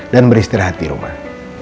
dan beristirahat di rumah